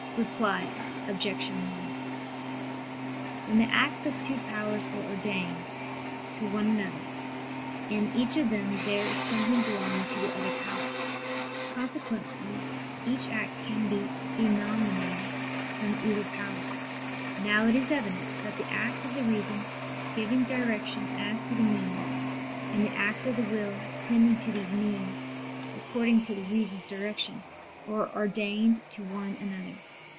Reply Obj. 1: When the acts of two powers are ordained to one another, in each of them there is something belonging to the other power: consequently each act can be denominated from either power. Now it is evident that the act of the reason giving direction as to the means, and the act of the will tending to these means according to the reason's direction, are ordained to one another.